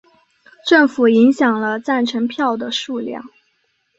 政府影响了赞成票的数量。